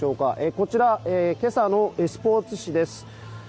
こちら、今朝のスポーツ紙です。